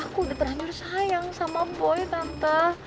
aku udah berhancur sayang sama boy tante